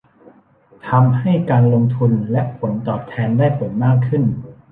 ทำให้การลงทุนและผลตอบแทนได้ผลมากขึ้น